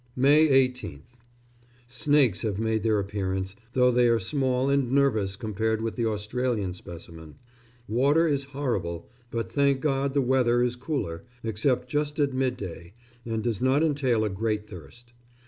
May 18th. Snakes have made their appearance, though they are small and nervous compared with the Australian specimen. Water is horrible, but, thank God, the weather is cooler, except just at midday, and does not entail a great thirst.